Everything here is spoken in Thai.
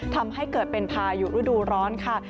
ทำให้เกิดเป็นพายุฤดูร้อนค่ะ